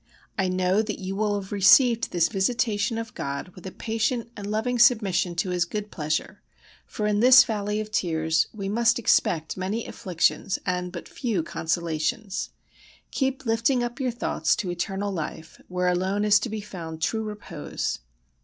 I know that you will have received this visitation of God with a patient and loving submission to His good pleasure, for in this valley of tears we must expect many afflictions and but few consolations. Keep lifting up your thoughts to Eternal Life, where alone is to be found true repose.